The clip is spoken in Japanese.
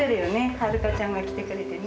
はるかちゃんが来てくれてね。